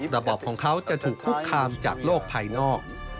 ระบอบของเขาจะถูกคุกคามจากโลกภายนอก